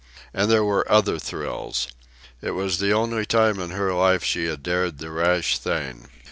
And there were other thrills. It was the only time in her life she had dared the rash thing.